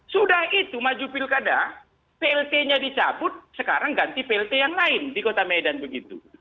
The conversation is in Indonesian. sudah itu maju pilkada plt nya dicabut sekarang ganti plt yang lain di kota medan begitu